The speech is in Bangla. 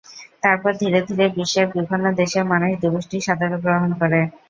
তারপর ধীরে ধীরে বিশ্বের বিভিন্ন দেশের মানুষ দিবসটি সাদরে গ্রহণ করে।